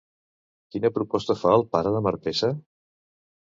Quina proposta fa el pare de Marpessa?